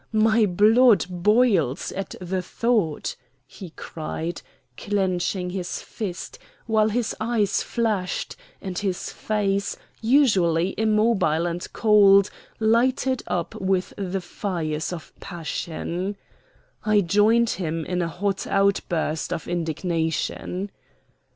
My blood boils at the thought," he cried, clenching his fist, while his eyes flashed, and his face, usually immobile and cold, lighted up with the fires of passion. I joined him in a hot outburst of indignation.